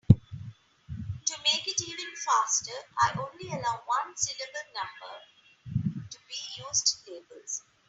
To make it even faster, I only allow one-syllable numbers to be used in labels.